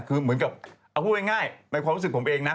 คือเอาพูดเป็นง่ายในความรู้สึกของผมเองนะ